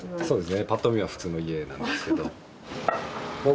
そうですねぱっと見は普通の家なんですけど。